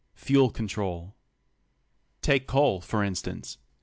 FUEL CONTROL Take coal, for instance.